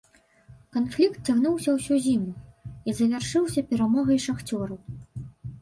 Канфлікт цягнуўся ўсю зіму і завяршыўся перамогай шахцёраў.